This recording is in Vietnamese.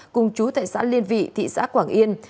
cùng chú tại xã liên vị thị xã quảng yên